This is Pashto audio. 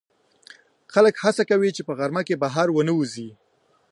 خلک هڅه کوي چې په غرمه کې بهر ونه وځي